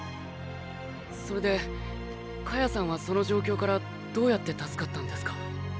それでカヤさんはその状況からどうやって助かったんですか？